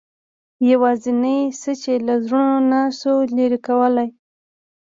یوازینۍ څه چې له زړونو نه شو لرې کولای.